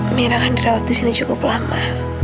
amirah kan dirawat di sini cukup lama